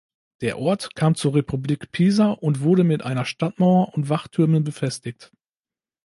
Der Ort kam zur Republik Pisa und wurde mit einer Stadtmauer und Wachtürmen befestigt.